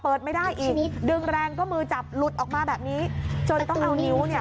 เปิดไม่ได้อีกดึงแรงก็มือจับหลุดออกมาแบบนี้จนต้องเอานิ้วเนี่ย